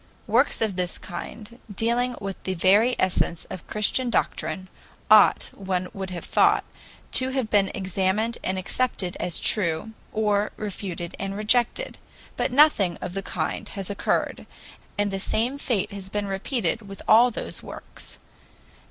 Works of this kind, dealing with the very essence of Christian doctrine, ought, one would have thought, to have been examined and accepted as true, or refuted and rejected. But nothing of the kind has occurred, and the same fate has been repeated with all those works.